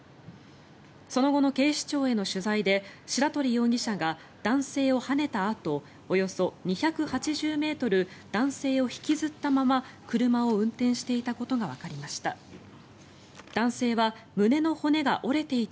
その後の警視庁への取材で白鳥容疑者が男性をはねたあとおよそ２８０ｍ男性を引きずったまま車を運転していたことがわかりました。